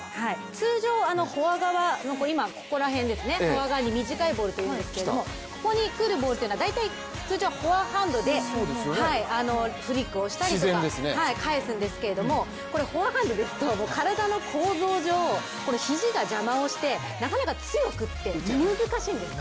通常、フォア側のここら辺ですね、フォア側に短いボールでいくんですけど、ここに来るボールって大体、通常はフォアハンドでフリックをしたりとか返すんですけどこれフォアハンドですと体の構造上、肱が邪魔をしてなかなか強く打つのは難しいんですね。